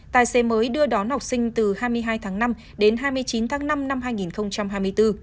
tài xế mới đưa đón học sinh từ hai mươi hai tháng năm đến hai mươi chín tháng năm năm hai nghìn hai mươi bốn